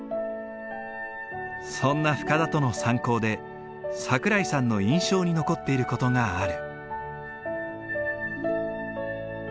そんな深田との山行で桜井さんの印象に残っている事がある。